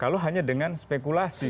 kalau hanya dengan spekulasi